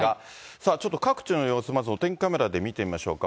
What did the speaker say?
さあ、ちょっと各地の様子まずお天気カメラで見てみましょうか。